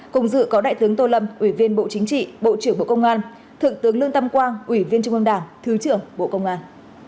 cùng dự có đại tướng tô lâm ủy viên bộ chính trị bộ trưởng bộ công an thượng tướng lương tâm quang ủy viên trung ương đảng thứ trưởng bộ công an